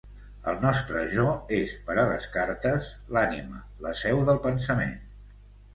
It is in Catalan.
El nostre “jo” és, per a Descartes, l'ànima, la seu del pensament.